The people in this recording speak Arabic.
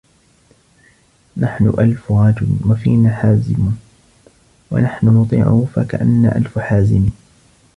نَحْنُ أَلْفُ رَجُلٍ وَفِينَا حَازِمٌ وَنَحْنُ نُطِيعُهُ فَكَأَنَّا أَلْفُ حَازِمٍ